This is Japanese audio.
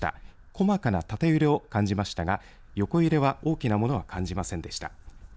細かな縦揺れを感じましたが横揺れは、大きなものは感じませんでした。